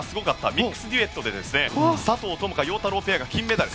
ミックスデュエットで佐藤友花、陽太郎ペアが金メダル。